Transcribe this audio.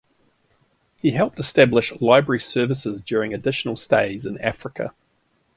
He helped establish library services during additional stays in Africa.